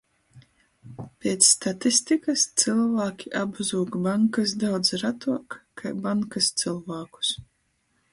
Piec statistikys, cylvāki apzūg bankys daudz ratuok, kai bankys cylvākus...